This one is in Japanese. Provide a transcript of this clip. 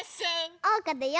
おうかだよ！